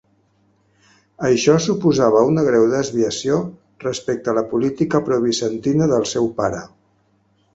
Això suposava una greu desviació respecte a la política probizantina del seu pare.